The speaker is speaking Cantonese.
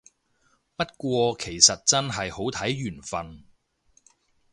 不過其實真係好睇緣份